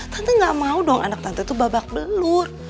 tante gak mau dong anak tante itu babak belur